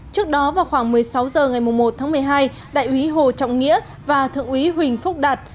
trước đó vào khoảng một mươi sáu h ngày một tháng một mươi hai đại úy hồ trọng nghĩa và thượng úy huỳnh phúc đạt